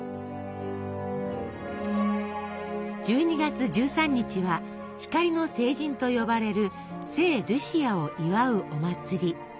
１２月１３日は「光の聖人」と呼ばれる聖ルシアを祝うお祭り。